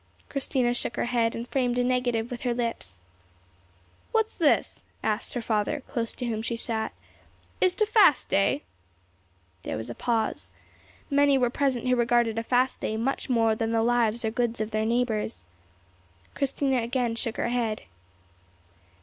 Christina shook her head, and framed a negative with her lips. "What's this?" asked her father, close to whom she sat. "Is't a fast day?" There was a pause. Many were present who regarded a fast day much more than the lives or goods of their neighbours. Christina again shook her head.